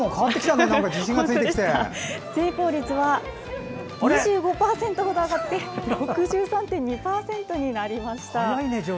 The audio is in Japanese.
成功率は、２５％ほど上がって６３．２％になりました。